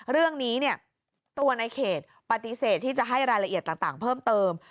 เรื่องนี้ตัวในเขตปฏิเสธที่จะให้รายละเอียดต่างเพิ่มเติม